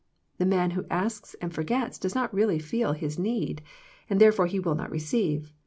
The man who asks and forgets does not really feel his need, and therefore will not receive.